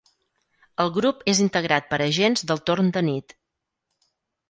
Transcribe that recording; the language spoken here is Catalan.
El grup és integrat per agents del torn de nit.